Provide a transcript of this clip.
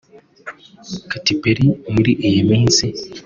Katy Perry muri iyi minsi